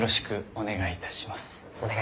お願いいたします。